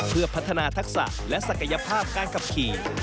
เพื่อพัฒนาทักษะและศักยภาพการขับขี่